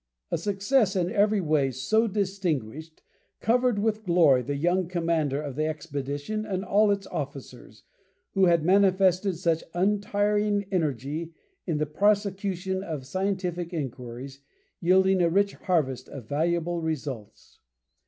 A success in every way so distinguished covered with glory the young commander of the expedition and all its officers, who had manifested such untiring energy in the prosecution of scientific inquiries, yielding a rich harvest of valuable results.